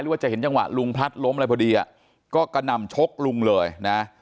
ว่าจะเห็นจังหวะลุงพลัดล้มอะไรพอดีอ่ะก็กระหน่ำชกลุงเลยนะ